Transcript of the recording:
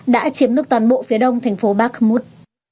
đã chiếm được toàn bộ phía đông thành phố parmus